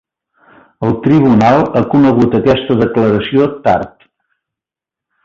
El tribunal ha conegut aquesta declaració tard.